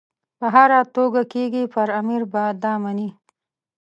په هره توګه کېږي پر امیر به دا مني.